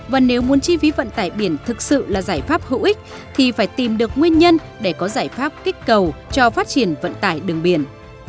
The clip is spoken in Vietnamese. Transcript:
và nếu muốn chi phí vận tải biển thực sự là giải pháp hữu ích thì phải tìm được nguyên nhân để có giải pháp kích cầu cho phát triển vận tải đường biển